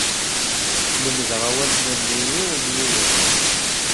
Lemdeɣ awalen-nni yiwen, yiwen.